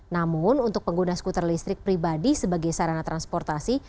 namun untuk pengguna skuter listrik pribadi sebagai sarana transportasi